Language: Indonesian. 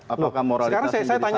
apakah moralitasnya jadi sama atau beda